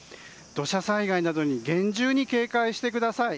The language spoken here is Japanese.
土砂災害などに厳重に警戒してください。